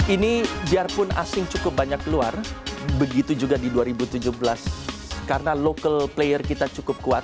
ini biarpun asing cukup banyak keluar begitu juga di dua ribu tujuh belas karena local player kita cukup kuat